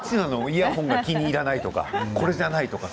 イヤホンが気にいらないとかこれじゃないとか